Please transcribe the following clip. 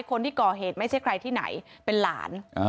คนที่ก่อเหตุไม่ใช่ใครที่ไหนเป็นหลาน